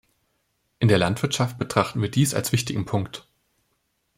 In der Landwirtschaft betrachten wir dies als wichtigen Punkt.